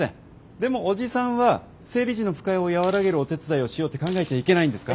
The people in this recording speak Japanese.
でもおじさんは生理時の不快を和らげるお手伝いをしようって考えちゃいけないんですか？